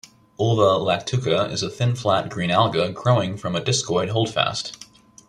"Ulva lactuca" is a thin flat green alga growing from a discoid holdfast.